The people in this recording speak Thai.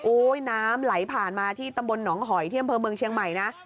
น้ำไหลผ่านมาที่ตำบลหนองหอยที่อำเภอเมืองเชียงใหม่นะ